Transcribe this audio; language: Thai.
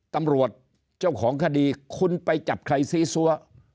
ตำรวจเจ้าของคดีคุณไปจับใครซีซัว